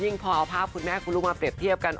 พอเอาภาพคุณแม่คุณลูกมาเปรียบเทียบกัน